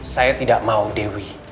saya tidak mau dewi